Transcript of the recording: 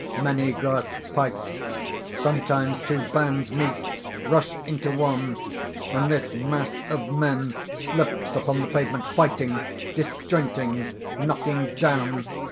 _ _Many grasp pikes. Sometimes two bands meet, rush into one; and this mass of men slips upon the pavement fighting, disjointing, knocking down.